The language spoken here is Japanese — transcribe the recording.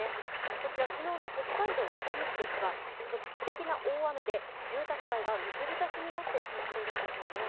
こちら昨日の北海道北見市ですが局地的な大雨で住宅街が水浸しになってしまっているんですよね。